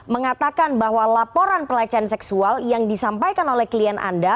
mengatakan bahwa laporan pelecehan seksual yang disampaikan oleh klien anda